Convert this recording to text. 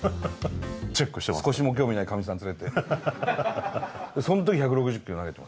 少しも興味ない、かみさん連れて。